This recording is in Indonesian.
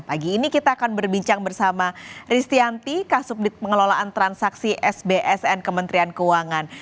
pagi ini kita akan berbincang bersama ristianti kasubdit pengelolaan transaksi sbsn kementerian keuangan